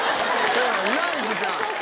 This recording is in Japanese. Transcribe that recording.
そうやんないくちゃん。